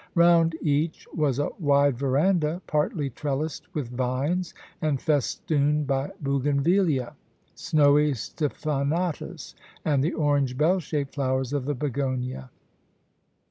Round each was a wide verandah, partly trellised with vines, and festooned by bougainvillea. AN A USTRALIAN EXPLORER. 7 1 snowy stephanotis, and the orange, bell shaped flowers of the begonia.